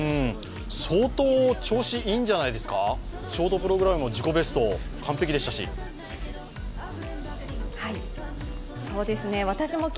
相当、調子いいんじゃないですかショートプログラムも自己ベスト、完璧でしたし。